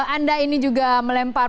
anda ini juga melempar